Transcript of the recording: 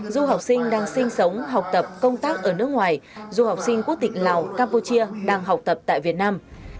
du học sinh đang sinh sống học tập công tác ở nước ngoài dù học sinh quốc tịch lào campuchia đang học tập tại việt nam